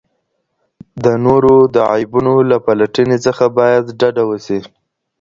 د نورو د عيبونو له پلټني څخه بايد ډډه وسي.